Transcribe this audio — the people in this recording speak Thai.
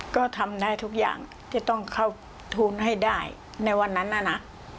ก็ทำได้ทุกอย่างที่ต้องเข้าทูลให้ได้ในวันนั้นน่ะนะ